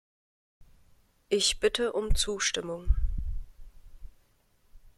Ich bitte um Zustimmung!